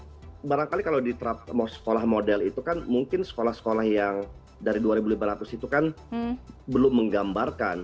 artinya kalau mau barangkali kalau diterap sekolah model itu kan mungkin sekolah sekolah yang dari dua ribu lima ratus itu kan belum menggambarkan